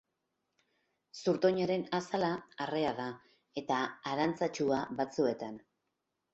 Zurtoinaren azala arrea da, eta arantzatsua batzuetan.